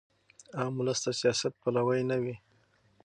عام ولس د سیاست پلوی نه وي.